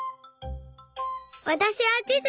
わたしはちず。